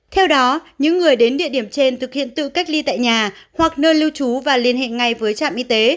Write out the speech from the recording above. theo đó những người đến địa điểm trên thực hiện tự cách ly tại nhà hoặc nơi lưu trú và liên hệ ngay với trạm y tế